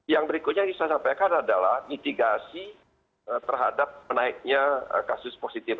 yang berikutnya yang saya sampaikan adalah mitigasi terhadap menaiknya kasus positif